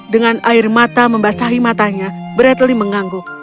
dengan air mata membasahi matanya bradley mengangguk